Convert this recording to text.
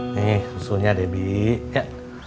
nih susunya debbie